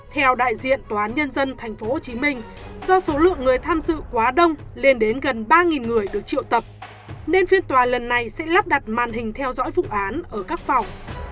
theo đại diện tòa án nhân dân tp hcm do số lượng người tham dự quá đông lên đến gần ba người được triệu tập nên phiên tòa lần này sẽ lắp đặt màn hình theo dõi vụ án ở các phòng